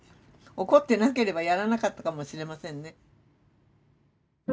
怒ってなければやらなかったかもしれませんね。